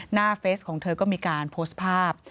เฟสของเธอก็มีการโพสต์ภาพ